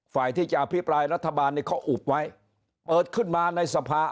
ฝ่ายที่จะอภิปรายรัฐบาลนี่เขาอุบไว้เปิดขึ้นมาในสภา